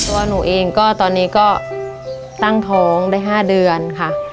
ตัวหนูเองก็ตอนนี้ก็ตั้งท้องได้๕เดือนค่ะ